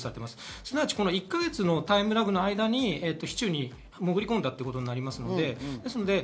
すなわち１か月のタイムラグの間に市中に潜り込んだということです。